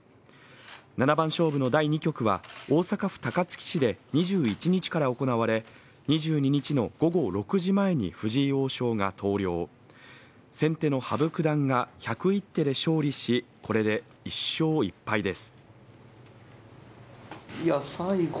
７番勝負の第２局は大阪府高槻市で２１日から行われ２２日の午後６時前に藤井王将が投了先手の羽生九段が１０１手で勝利しこれで１勝１敗です